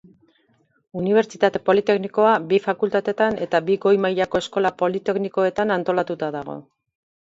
Unibertsitate politeknikoa bi fakultatetan eta bi goi mailako eskola politeknikoetan antolatuta dago.